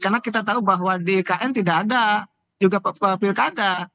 karena kita tahu bahwa di ikn tidak ada juga pilk ada